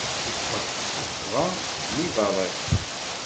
Yeffeɣ tuffɣa n yiberriq.